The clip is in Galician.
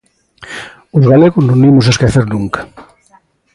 Os galegos non o imos esquecer nunca.